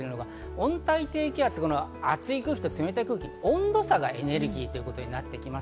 温帯低気圧は熱い空気と冷たい空気、温度差がエネルギーとなってきます。